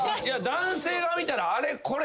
男性が見たら「あれ？これ。